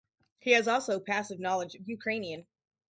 He has also passive knowledge of Ukrainian.